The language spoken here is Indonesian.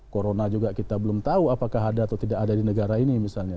corona juga kita belum tahu apakah ada atau tidak ada di negara ini misalnya